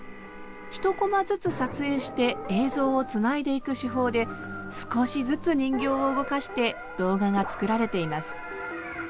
１コマずつ撮影して映像をつないでいく手法で少しずつ人形を動かして動画が作られています。